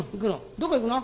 「どこ行くの？」。